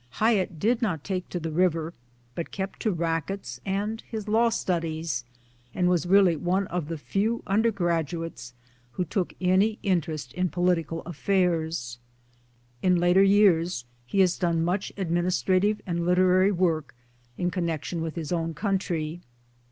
Hyett did not take to the river, but kept to racquets and his law studies, and was really one of the few undergraduates who took any interest in political affairs. In later years he has done much administrative and literary work in connection with his own county.